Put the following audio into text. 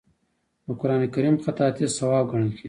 د قران کریم خطاطي ثواب ګڼل کیږي.